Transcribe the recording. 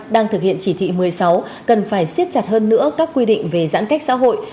đang thực hiện chỉ thị một mươi sáu cần phải siết chặt hơn nữa các quy định về giãn cách xã hội